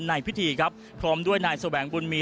ในพิธีครับพร้อมด้วยนายแสวงบุญมี